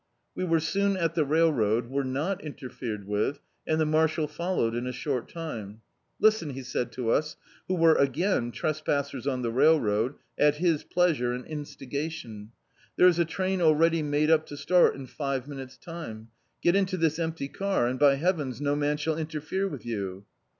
We were soon at the railroad, were not interfered with, and the marshal followed in a short time. "Listen," he said to us, who were again trespassers on the railroad, at his pleasure and instigation: "There is a train already made up to start in five minutes' time; get into this empty car, and by heavens, no man shall interfere with you."